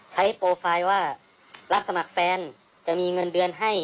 โปรไฟล์ว่ารับสมัครแฟนจะมีเงินเดือนให้